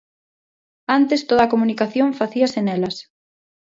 Antes toda a comunicación facíase nelas.